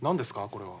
これは。